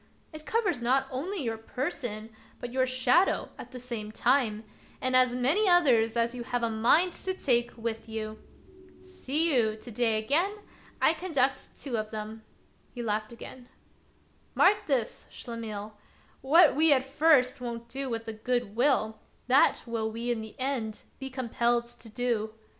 It covers not only your person, but your shadow at the same 72 The Wonderful History time, and as many others as you have a mind to take with you. See you, to day again, I conduct two of them "— he laughed again. " Mark this, Schlemihl, what we at first won't do with a good will, that will we in the end be compelled to.